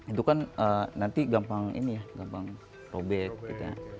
itu kan nanti gampang ini ya gampang dirobek